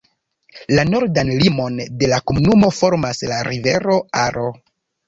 La nordan limon de la komunumo formas la rivero Aro.